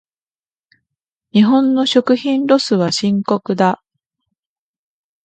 日本の食品ロスは深刻だ。